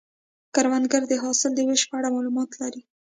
کروندګر د حاصل د ویش په اړه معلومات لري